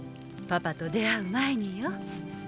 パパと出会う前によ。